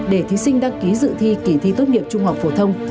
để thí sinh đăng ký dự thi kỳ thi tốt nghiệp trung học phổ thông